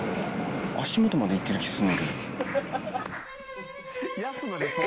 足元まで行ってる気すんねんけど。